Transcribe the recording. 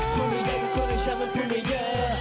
คุยไม่ได้ก็คุณให้ฉันมันพูดไม่เยอะ